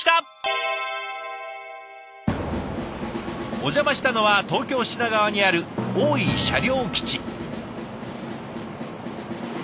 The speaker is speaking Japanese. お邪魔したのは東京・品川にある大井車両基地。